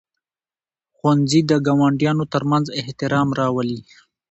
ښوونځي د ګاونډیانو ترمنځ احترام راولي.